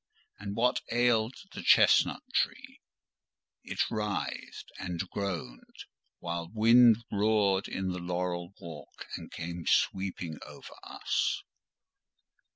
And what ailed the chestnut tree? it writhed and groaned; while wind roared in the laurel walk, and came sweeping over us.